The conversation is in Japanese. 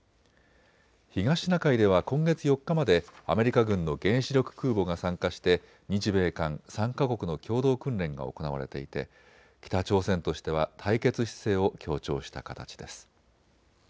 東シナ海では今月４日までアメリカ軍の原子力空母が参加して日米韓３か国の共同訓練が行われていて北朝鮮としては対決姿勢を強調した形です。